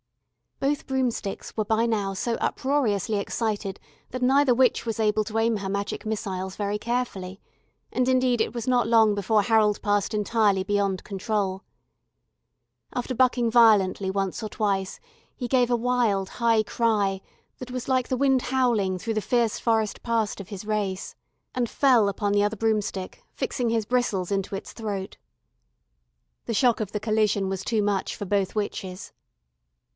Both broomsticks were by now so uproariously excited that neither witch was able to aim her magic missiles very carefully, and indeed it was not long before Harold passed entirely beyond control. After bucking violently once or twice, he gave a wild high cry that was like the wind howling through the fierce forest past of his race, and fell upon the other broomstick, fixing his bristles into its throat. The shock of the collision was too much for both witches.